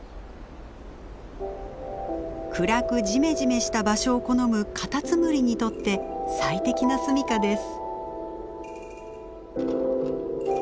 暗くジメジメした場所を好むカタツムリにとって最適な住みかです。